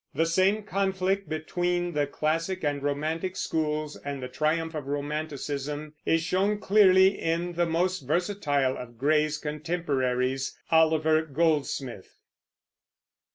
The same conflict between the classic and romantic schools, and the triumph of Romanticism, is shown clearly in the most versatile of Gray's contemporaries, Oliver Goldsmith.